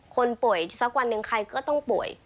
คนป่วยสักวันหนึ่งใครก็ต้องป่วย